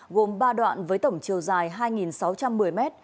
gồm ba đoạn với tổng chiều dài hai sáu trăm một mươi m